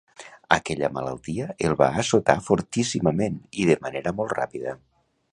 Aquella malaltia el va assotar fortíssimament i de manera molt ràpida.